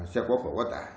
xe quá khổ quá tải